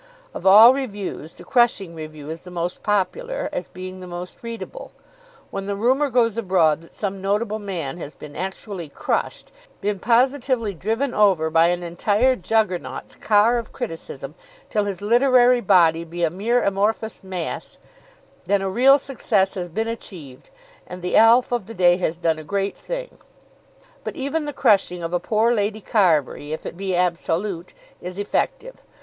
Of all reviews, the crushing review is the most popular, as being the most readable. When the rumour goes abroad that some notable man has been actually crushed, been positively driven over by an entire Juggernaut's car of criticism till his literary body be a mere amorphous mass, then a real success has been achieved, and the Alf of the day has done a great thing; but even the crushing of a poor Lady Carbury, if it be absolute, is effective.